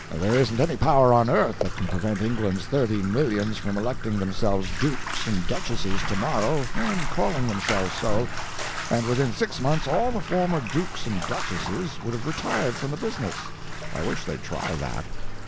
There isn't any power on earth that can prevent England's thirty millions from electing themselves dukes and duchesses to morrow and calling themselves so. And within six months all the former dukes and duchesses would have retired from the business. I wish they'd try that.